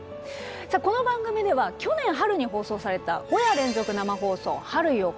この番組では去年春に放送された「５夜連続生放送春よ、来い！」